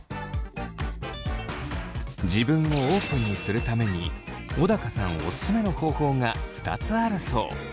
自分をオープンにするために小高さんオススメの方法が２つあるそう。